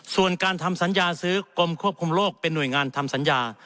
ส่วนการทำสัญญาซื้อกรมควบคุมโลกเป็นห่วยงานทำสัญญา